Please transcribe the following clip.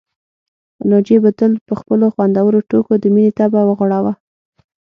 ناجيې به تل په خپلو خوندورو ټوکو د مينې طبع وغوړاوه